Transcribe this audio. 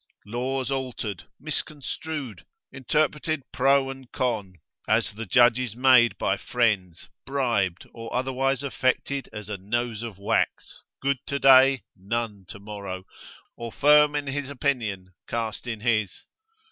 Laws altered, misconstrued, interpreted pro and con, as the judge is made by friends, bribed, or otherwise affected as a nose of wax, good today, none tomorrow; or firm in his opinion, cast in his?